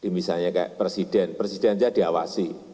misalnya kayak presiden presiden aja diawasi